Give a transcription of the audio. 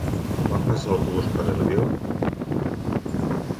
Quan passa l'autobús per Alió?